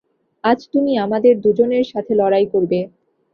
আজ তুমি আমাদের দুজনের সাথে লড়াই করবে।